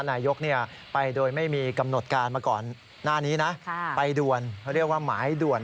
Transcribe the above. นายกไปโดยไม่มีกำหนดการมาก่อนหน้านี้นะไปด่วนเขาเรียกว่าหมายด่วน